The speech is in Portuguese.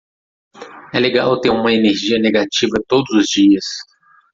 É legal ter uma energia negativa todos os dias.